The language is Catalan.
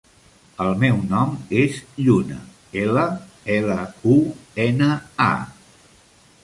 El meu nom és Lluna: ela, ela, u, ena, a.